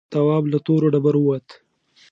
تواب له تورو ډبرو ووت.